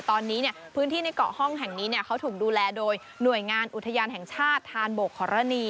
ตอนนี้พื้นที่ในเกาะห้องแห่งนี้เขาถูกดูแลโดยหน่วยงานอุทยานแห่งชาติธานบกฮรณี